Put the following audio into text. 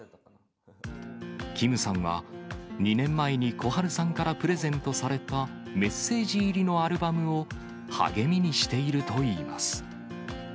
キムさんは２年前に小春さんからプレゼントされたメッセージ入りのアルバムを励みにしているといいます。